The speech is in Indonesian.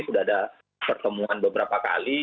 sudah ada pertemuan beberapa kali